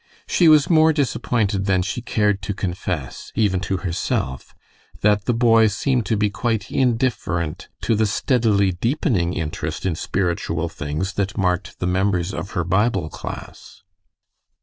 She was more disappointed than she cared to confess, even to herself, that the boy seemed to be quite indifferent to the steadily deepening interest in spiritual things that marked the members of her Bible class.